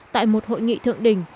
tại một hội nghị thượng đỉnh